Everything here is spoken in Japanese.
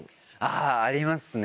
あありますね